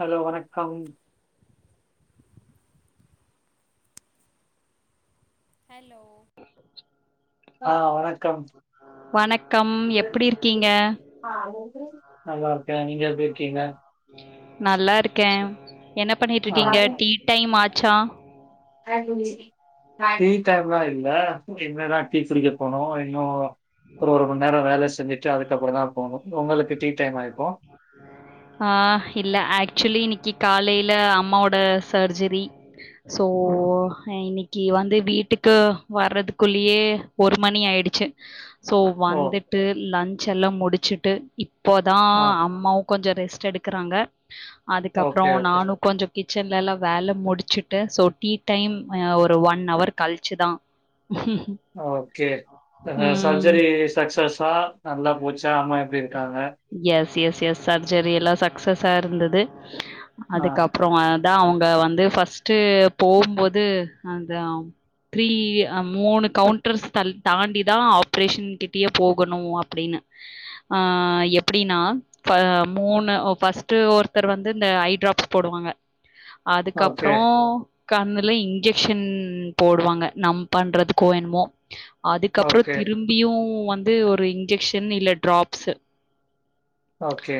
Hello வணக்கம் hello ஆ வணக்கம் வணக்கம் எப்டி இருக்கீங்க நல்லா இருக்கே நீங்க எப்டி இருக்கீங்க நல்லா இருக்கே என்ன ஆ பண்ணிட்ருகீங்க டீ டைமாச்சா டீ டைம்லா இல்ல வீட்ல தா டீ குடிக்க போறோ இன்னு ஒரு ஒரு மண் நேர வேல செஞ்சுட்டு அதுக்கப்றந்தா போணு உங்களுக்கு டீ டைமா இப்போ ஆ இல்ல ஆக்சுவலி இன்னிக்கி காலைல அம்மாவோட சர்ஜரி சோ இன்னிக்கு வந்து வீட்டுக்கு வர்றதுக்குள்ளியே ஒரு மணி ஆயிடுச்சு சோ ஓ! வந்துட்டு லன்ச் எல்லா முடிச்சுட்டு இப்போதா ஆ அம்மாவு கொஞ்ச ரெஸ்ட் எடுக்கறாங்க அதுக்கப்புற ஓகே, ஓகே, நானு கொஞ்ச கிச்சன்லலா வேல முடிச்சிட்டு சோ டீ டைம் அ ஒரு ஒன் ஹவர் கழ்ச்சுதா ஹிஹிம் ஓகே சர்ஜரி சக்ஸஸ்ஸா நல்லா போச்சா அம்மா எப்டி இருக்காங்க எஸ் எஸ் எஸ் சர்ஜரிலா சக்சஸா இருந்துது ஆ அதுக்கப் அப்புற அதா அவுங்க வந்து ஃபஸ்ட்டு போகும்போது அந்த அவுங் த்ரீ அ மூணு கவுண்டர்ஸ் தல் தாண்டிதா ஆப்ரேஷன் கிட்டயே போகணு அப்டினு ஆ எப்டினா ப மூணு ஒ பர்ஸ்ட்டு ஒருத்தர் வந்து இந்த ஐ டிராப்ஸ் போடுவாங்க ஓகே, அதுக்கப்றோ கண்ணுல இன்ஜெக்ஷன் போடுவாங்க நம் பண்றதுக்கோ என்மோ அதுக்கப்புற ஓகே, திரும்பியு வந்து ஒரு இன்ஜெக்ஷன் இல்ல டிராப்ஸு ஓகே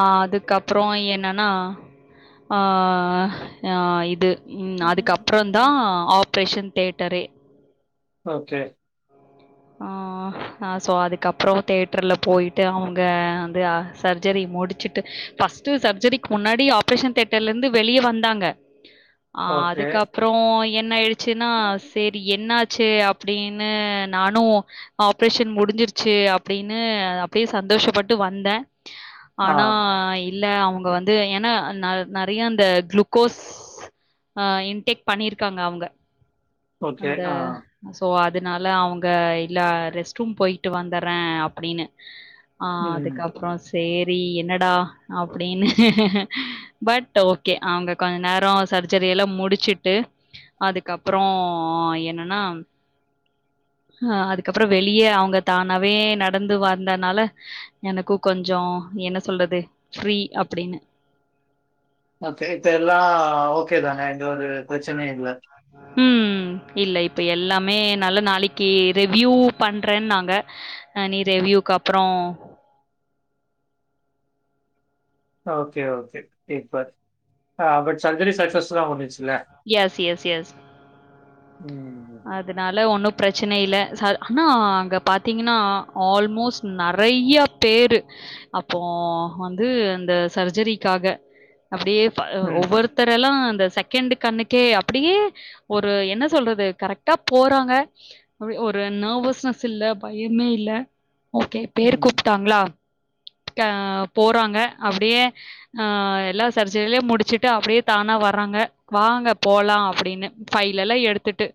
ஆ அதுக்கப்ற என்னனா அ இது ம் அதுக்கப்றந்தா ஆப்ரேஷன் தேட்டரே ஓகே ஆ சோ அதுக்கப்புற தேட்ருல போயிட்டு அவுங்க சர்ஜரி முடிச்சுட்டு பஸ்டு சர்ஜரிக் முன்னாடி ஆப்ரேஷன் தேட்டர்லந்து வெளிய வந்தாங்க ஆஹ் ஓகே. அதுக்கப்புறோ என்ன ஆயிடுச்சுன்னா சேர் அப்டி என்னாச்சு அப்டின்னு நானு ஆப்ரேஷன் முடிஞ்சிருச்சு அப்டின்னு அப்டியே சந்தோஷப்பட்டு வந் வந்தே ஆ ஆனா இல்ல அவுங்க வந்து ஏன்னா நற் நறியா அந்த குளுக்கோஸ் ஆஹ் இன்டேக் பண்ணிருக்காங்க அவுங்க ஓகே. அந்த ஆ சோ அதனால அவுங்க இல்ல ரெஸ்ட் ரூம் போய்ட்டு வந்தர்றே அப்டின்னு ஆஹ் ம். அதுக்கப்புறோ சேரி என்னடா அப்டின்னு பட் ஓகே அவுங்க கொஞ்ச நேரோ சர்ஜரி எல்லா முடிச்சுட்டு அதுக்கப்புற ஆ என்னனா அஹ் அதுக்கப்புறோ வெளிய அவுங்க தானாவே நடந்து வந்தனால எனக்கு கொஞ்சோ என்ன சொல்றது ஃப்ரீ அப்டின்னு ஓகே இப்ப எல்லா ஓகே தானே எந்த ஒரு பிரச்சனையு இல்ல உம் ம் இல்ல இப்ப எல்லாமே நல்ல நாளைக்கு ரிவ்யூ பண்றேன்னாங்க ஆ நீ ரெவ்யூக்கு அப்புறோ ஓகே ஓகே இப்ப பட் சர்ஜரி சக்சஸ்ஃபுல்லா முடிஞ்சுச்ல்ல எஸ் எஸ் எஸ் உம் அதனால ஒன்னு பிரச்சன இல்ல ஆனா அங்க பாத்தீங்கன்னா ஆல்மோஸ்ட் நெறையா பேரு அப்போ வந்து அந்த சர்ஜரிக்காக அப்டியே ம். ஒவ்வொருத்தரெல்லா அந்த செகெண்டு் கண்ணுக்கே அப்டியே ஒரு என்ன சொல்றது கரெக்டா போறாங்க ஒரு நர்வஸ்னஸ் இல்ல பயமே இல்ல ஓகே பேர் ம். கூப்ட்டாங்களா ஆ போறாங்க அப்டியே ஆஹ் எல்லா சர்ச்சிலயு முடிச்சுட்டு அப்டியே தானா வர்றாங்க வாங்க போலா அப்டின்னு ஃபைல் எல்லா எடுத்துட்டு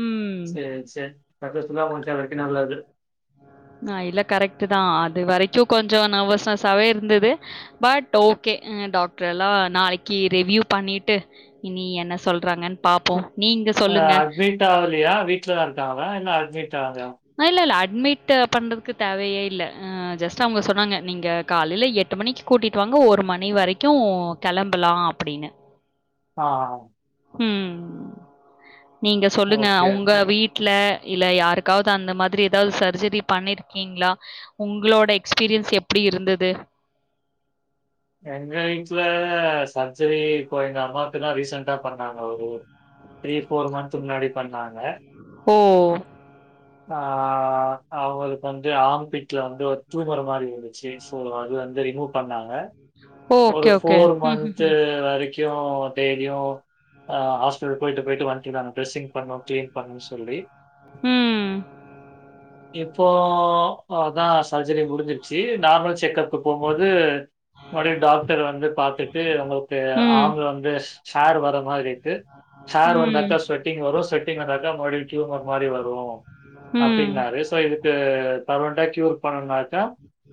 உம் சேர் சேர் சக்சஸ்ஃபுல்லா முடிச்சே ரெண்டு நாள்ள அது அ இல்ல கரெக்ட்டுதா அது வரைக்கு கொஞ்சோ நர்வஸ்னஸாவே இருந்தது பட் ஓகே டாக்டர்ல்லா நாளைக்கு ரிவ்யூ பண்ணிட்டு இனி என்ன சொல்றாங்கன் பாப்போ அ அட்மிட் ஆவலையா வீட்லதா இருக்காங்களா இல்ல அட்மிட் ஆகுலயா இல்ல இல்ல அட்மிட்டு பண்றதுக்கு தேவையே இல்ல ஜஸ்ட் அவுங்க சொன்னாங்க நீங்க காலையில எட் எட்டு மணிக்கு கூட்டிட்டு வாங்க ஒரு மணி வரைக்கு கெளம்பலா அப்டின்னு ஆம் உம் நீங்க சொல்லுங்க ஓகே, அவுங்க ஓகே. வீட் ல்ல இல்ல யாருக்காவுது அந்த மாதிரி தாவுது சர்ஜரி பண்ணிருக்கீங்ளா உங்களோட எக்ஸ்பீரியன்ஸ் எப்புடி இருந்தது எங்க வீட்ல சர்ஜரி இப்போ எங்க அம்மாக்கு தா ரீசண்ட்டா பண்ணாங்க ஒரு த்ரீ ஃபோர் மந்த்து முன்னாடி பண்ணாங்க ஓஹ் ஆஹ் அவுங்களுக்கு வந்து ஆம்பீட்ல வந்து ஒரு ட்யூமர் மாறி இருந்திச்சி இப்போ அது வந்து ரிமூவ் பண்ணாங்க ஓகே, ஒரு ஓகே. ஃபோர் ம், மந்த்து வரைக் க்கு டெய்லியு ஆ ஹாஸ்பிட்டல் போய்ட்டு போய்ட்டு வந்டினாங்க டிரெஸிங் பண்ணு கிளீன் பண்ணுனு சொல்லி ம்ஹ்ம். இப்போ அதா சர்ஜரி முடிஞ்சிருச்சி நார்மல் செக்கப் இப்ப போம்போது மற்படியு டாக்ட்ர் வந்து பாத்துட்டு உங்களுக்கு ம். ஆங்குள் வந்து [unintelligible] [unintelligible] வர்ற மாதிரி க்கு [unintelligible] ம். வந்தாக்கா ஸ்வெட்டிங் வரு ஸ்வெட்டிங் வந்தாக்கா மறுபடியு க்யூமர் மாறி வரு ம். ம். ம். அப்டின்னா ரேசா இதுக்கு தரொண்டா கியூர் பண்ணுனாக்கா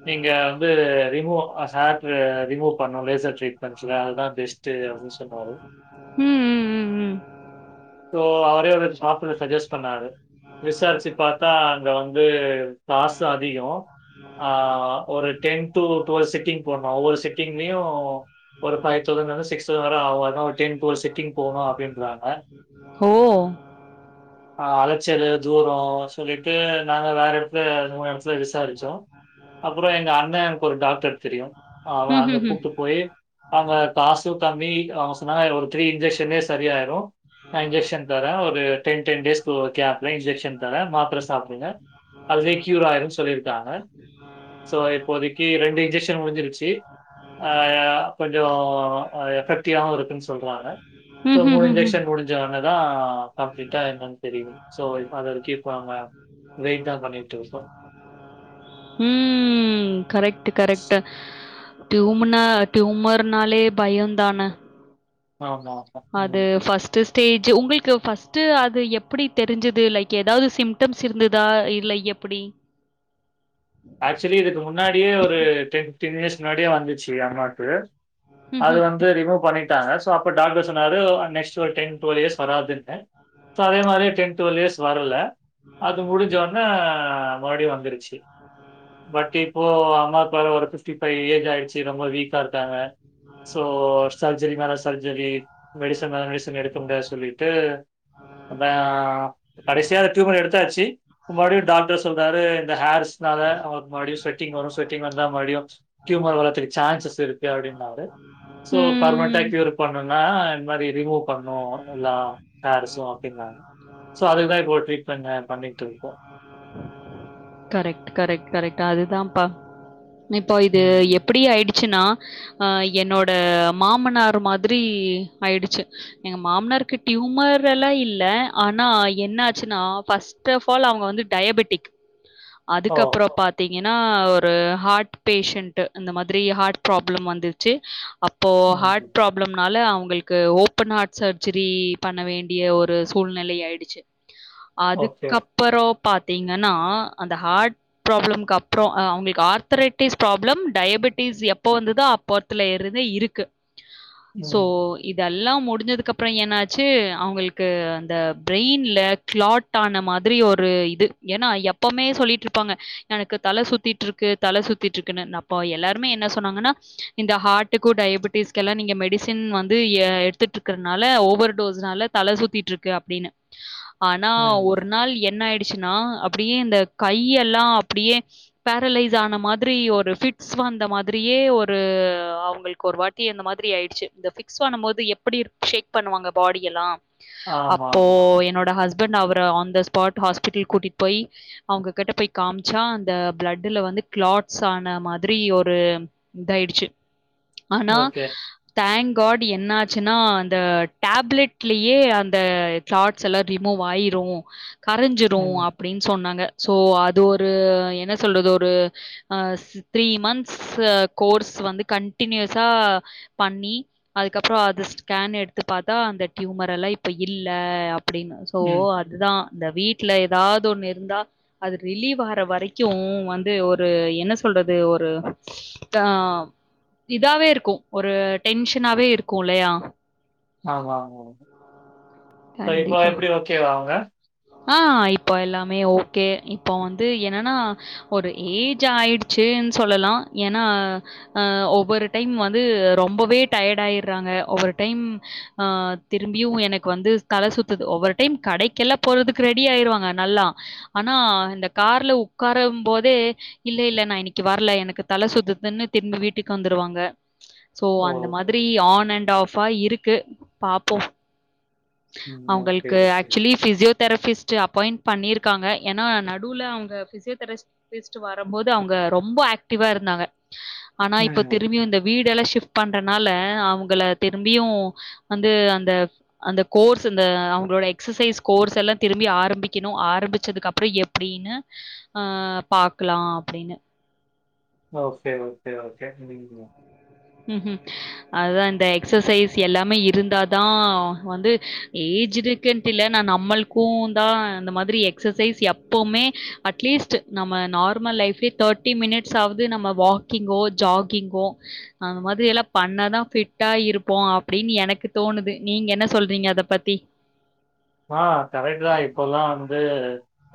நீங்க வந்து ரிமூவ் ஆ சேட்ரு ரிமூவ் பண்ணு லேசர் ட்ரீட்மென்ட்ல அதுதா பெஸ் டு அப்டின் சொன்னாரு ம் ம் ம் ம் சோ அவரே வந்துட்டு சார்ப்ல சஜஸ்ட் பண்ணாரு விசாரிச்சு பாத்தா இதுல வந்து காஸ்சு அதிகோ ஆ ஒரு டென் டு டுவெல் சிட்டிங் போட்னு ஒவ்வொரு செட்டிங்லயு ஒரு ஃபைவ் தௌசண்ட்ல இருந்து சிக்ஸ் தௌசண்ட் வர ஆகு அதா ஒரு டென் ட்டுவெல் சிட்டிங் போணு அப்டின்றாங்க ஹோ ஆ அலைச்சல் தூரோ சொல்லிட்டு நாங்க வேற எடத் இதே மூணு எடத்துல விசாரிச்சோ அப்பறோ எங்க அண்ண எனக்கு ஒரு டாக்டர் தெரியு அவ அங்க ம்ஹ்ஹ்ம். கூப்ட்டு போயி அங்க காஸ்சு கம்மி ஆஸ் சொன்னாங்க இதுல ஒரு த்ரீ இன்ஜெகஷன்லயே சரி ஆயிரு நா இன்ஜெக்ஷன் தரே ஒரு டென் டென் டேஸ்க்கு ஓக்யா நல்ல இன்ஜெக்ஷன் தரே மாத்திர சாப்பிடுங்க அதுவே கியூர் ஆயிரு சொல்லிருக்காங்க சோ இப்போதைக்கி ரெண்டு இன்ஜெக்ஷன் முடிஞ்சிருச்சி ஆ கொஞ்சோ அ எஃபெக்டிவாவு இருக்கு சொல்றாங்க ம்ஹ்ஹ்ம். ம். சோ ம், ம், மூணு ம், ம். இன்ஜெக்ஷன் முடிஞ்சோன்னவுதா கம்ப்ளீட்டா என்னன் தெரியு சோ இப் அத வரைக்கி இப்போ நாங்க வெயிட் தா பண்ணிட்டு இருக்கோ ம் ம் கரெக்ட் கரெக்ட்டு டியூம்மனா ட்யூமர்னாலே பயோதான ஆமா அது ம். ஃபர்ஸ்ட்டுஸ் ஸ்டேஜ்ஜி உங்களுக்கு ஃபஸ்ட்டு அது எப்புடி தெரிஞ்சுது லைக் ஏதாவ்து சிம்டம்ஸ் இருந்ததா இல்ல எப்புடி ஆக்சுவலி இதுக்கு முன்னாடியே ஒரு டென் ஃபிப்டீன் இயர்ஸ்ஸு முன்னாடியே வந்துச்சு அம்மாக்கு அது ம்ஹ்ம். வந்து ரிமூவ் பண்ணிட் டாங்க சோ அப்ப டாக்டர் சொன்னாரு அ நெக்ஸ்ட் ஒரு டென் டுவெல் இயர்ஸ்ஸு வராதுன்னு சோ அதே மாதிரி டென் டுவெல் இயர்ஸ்ஸு வர்ல அது முடிஞ்சோடனே மறுபடி வந்துருச்சு இது பட் இப்போ அம்மாக்கு வேற ஒரு பிப்டி ஃபைவ் ஏஜ் ஆயிடுச்சு ரொம்ப வீக்கா இருக்காங்க சோ சர்ஜரி மேல சர்ஜரி மெடிசன் அந்த மெடிசன் எடுக்க முடியாது சொல்லிட்டு அதா கடைசியா அந்த டியூமர் எடுத்தாச்சு முன்னாடி டாக்டர் சொல்றாரு இந்த ஹேர்ஸ் ஸுனால அவுங்களுக்கு மறுபுடி ஸ்வெட்டிங் வரு ஸ்வெட்டிங் வந்தா மறுபுடியு டியூமர் வர்றதுக்கு சான்சஸ்ஸு இருக்கு அப்டின்னாரு சோ ம். பர்மெண்ட்டா க்யூர் பண்ணும்னா இந்மாதிரி ரிமூவ் பண்ணு எல்லா சேர்ஸு அப்டிங்காங்க சோ அதுக்குதா இப்போ ஒரு டரீட்ண்ட் அ பண்ணிட்டு இருக்கோ கரெக்ட் கரெக்ட் கரெக்ட் அதுதான்ப்பா இப்போ இது ம் எப்டி ஆயிடுச்சுன்னா ஆ என்னோட மாமனார் மாதிரி ஆயிடுச்சு எங்க மாமனாருக்கு டியூமர் எல்லா இல்ல ஆனா என்ன ஆச்சுன்னா ஃபஸ் ஸ்ட் ஆஃப் ஆல் அவுங்க வந்து டயாபட்டிக் ஓ அதுக்கப்பறோ பத் ங்கன்னா ஒரு ஹார்ட் பேஷண்ட் இந்த மாதிரி ஹார்ட் ப்ராப்ளம் வந்துச்சு அப் ப்போ ஹார்ட் ம் ப்ராப் னால அவுங்களுக்கு ஓப்பன் ஹார்ட் சர்ஜரி பண்ண வேண்டிய ஒரு சூழ்நிலை ஆய்டுச்சு ஓகே அதுக்கப்பற பாத்தீங்கன்னா அந்த ஹாட் ப்ராப்ளம்க்கு அப்பற அவங்ளுக்கு ஆர்த்ரட்டிஸ் ப்ராப்ளம் டயபட்டிஸ் எப்ப வந்துதா அப் போத்தல இருந்து இருக்கு சோ ம் இதெல்லா முடிஞ்சதுக்கு அப்ற என்னாச்சு அவுங்களுக்கு அந்த பிரெயின்ல கிளாட் டான மாதிரி ஒரு இது ஏன்னா எப்பவுமே சொல்லிட்ருப்பாங்க எனக்கு தல சுத்திட்ருக்கு தல சுத்திட்ருக்குன்னு நப்போ எல்லாருமே என்ன சொன்னாங்கன்னா இந்த ஹார்ட்டுக்கூ டயபட்டிஸ்க்கெல்லா நீங்க மெடிசின் வந்து எ எட்த்துட்டுருக்கனால ஓவர் டோஸ்னால தல சுத்திட்ருக்கு அப்டின்னு ஆனா ம் ஒரு நாள் என்ன ஆய்டுச்சுன்னா அப்டியெ இந்த கையெல்லா அப்டியே பேரலைஸ் ஆன மாதிரி ஒரு பிட்ஸ் வந்த மாதிரியே ஒரு அவங்களுக்கு வாட் டி அந்த மாதிரி ஆய்டுச்சு இந்த பிக்ஸ் வந்தமோது எப்புடி ஷேக் பண்ணுவாங்க பாடியெல்லா ஆமா அப்போ ஆமா என்னோட ஹஸ்பண்ட் அவர ஆன் த ஸ்பாட் ஹாஸ்பிட்டல் கூட்டிட் போய் அவங்க கிட்ட போய் காம்ச்சா அந்த ப்ளட்டு்ல வந்து கிளாட்ஸ் ஆன மாதிரி ஒரு இந்தாயிடுச்சு ஆன்னா ஓகே தேங்க் காட் என்னாச்சுன்னா அந்த டேப்லெட்லயே அந்த ஸாட்ஸெல்லா ரிமூவ் ஆயிரு கரஞ்சிரு ம் அப்படின் சொன்னாங்க சோ அது ஒரு என்ன சொல்றது ஒரு அ த்ரீ மந்த்ஸ் கோர்ஸ் வந்து கண்டின்யூஸா பண்ணி அதுக்கப்பற அது ஸ்கேன் எட்த்து பாத்தா அந்த டியூமரெல்லா இப்ப இல்ல அப் அப்டின் சோ ம் அத்தா அந்த வீட்டல ஏதாவ்து தொன்னு இருந்தா அது ரிலீவ் ஆற வரைக்கு வந்து ஒரு என்ன சொல்றது ஒரு தாவ் இதாவே இருக்கு ஒரு டென்ஷனாவே இருக்குல்லையா ஆம்மா ஆம்மா கண்டிப்பா அவங்க ஆ இப்போ எல்லாமே ஓக்கே இப்பொ வந்து என்னன்னா ஒரு ஏஜ் ஆயிடுச்சூன் சொல்லலா ஏன்னா அ ஒவ்வொரு டைம் வந்து ரொம்பொவே டயர்ட் ஆயிட்றாங்க ஒவ்வொரு டைம் அ திரும்பியு எனக் வந்து தல சுத்துது ஒவ்வொரு டைம் கடைக்கெல்லா போறதுக்கு ரெடி ஆயிருவாங்க நல்லா ஆனா இந்த கார்ல உக்காரம்போதே இல்ல இல்ல நா இன்னிக்கு வர்ல எனக்கு தல சுத்துதுன்னு திரும்பி வீட்டுக்கு வந்துருவாங்க சோ ஓ அந்த மாதிரி ஆன் அண்ட் ஆஃப்பா இருக்கு பாப்போ ம் ஓகே அவங்கள்க்கு ஓகே ஆக்சுவலி ஃசிசியோதெரபிஸ்ட்ட் அப்பாயிண்ட் பண்ணியருக்காங்க ஏன்னா நடுல அவுங்க ஃபிசியோதெரஸ் ஃபிஸ்ட் வரம்போது அவுங்க ரொம்ப ஆக்டிவாருந்தாங்க ஆனா இப்ப ம் திரும்பியு இந்த வீடெல்லா ஷிப்ட் பண்றனால அவுங்கள திரும்பியு வந்து அந்த அந்த கோர்ஸ் இந்த அவங்களோட எக்ஸசைஸ் கோர்ஸெல்லாம் திரும்பி ஆரம்பிக்கணு ஆரம்பிச்சதுக்கு அப்றம் எப் அப்டின்னு அ பாக்குலா அப்டின்னு ஓக்கே ஓக்கே ஓக்கே இதுக் [inaudible] ம்ஹும் அதுதா இந்த எக்சசைஸ் எல்லாமே இருந்தாதா வந்து ஏஜ்ஜிடு. கின்ட் இல்ல நா நம்மள்க்கூ தா இந்த மாதிரி எக்ஸசைஸ் எப்பவ்மே அட்லீஸ்ட் நம்ம நார்மல் லைஃப்ஏ தேர்ட்டி மினிட்ஸ் ஆவ்து நம்ம வாக்கிங்கோ ஜாகிங்கோ அந்த மாதிரி எல்லாம் பண்ணாதான் ஃபிட்டா இருப்போம் அப்டின்னு எனக்கு தோணுது நீங்க என்ன சொல்றீங்க அத பத்தி ஆ கரெக்ட் தான் இப்பல்லா வந்து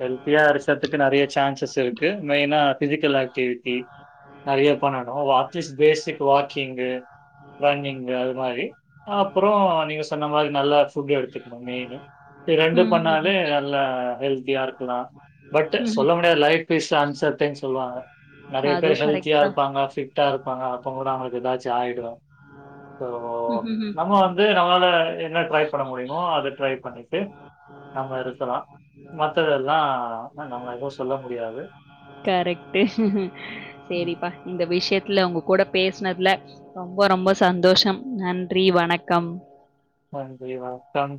ஹெல்த்தியா அரிச்சத்துக்கு நெறைய சான்சஸ் இருக்கு மெயினா ஃபிசிக்கல் ஆக்டிவிட்டி நெறைய பண்ணணும் வாட்ஸ்ட் பேசிக் வாக்கிங்கு ரன்னிங் அது மாரி அப்றோ நீங்க சொன்ன மாரி நல்லா ஃபுட்டு் எடுத்துக்கணும் மெயினு. ரெண்டு பண்ணாலே ம். நல்லா ஹெல்தியா இருக்கலா பட் ம்ஹ்ம். சொல்ல முடியாது லைஃப் பீஸ் ஆன்சர் டைம் சொல்லுவாங்க நெறைய பேர் அதுவும் கரெக்ட் ஹெல்தியா தான். இருப்பாங்க ஃபிட் இருப்பாங்க அப்ப கூட அவங்களுக்கு ஏதாச்சு ஆயிடு அப்போ ம்ஹ்ஹ்ம். நம்ம வந் இது நம்மால என்ன ட்ரை பண்ண முடியுமோ அது ட்ரை பண்ணிட்டு நம்ம இருக்கலா மத்ததெல்லா நம்ம எதுவும் சொல்ல முடியாது கரெக்ட் ம் செரிபா இந்த விஷயத்துல உங்க கூட பேசினதுல ரொம்ப ரொம்ப சந்தோஷம் நன்றி வணக்கம் நன்றி வணக்கம்